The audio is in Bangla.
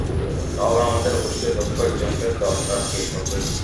তবে আমাদের অবশ্যই দক্ষ একজনকে দরকার কে করবে?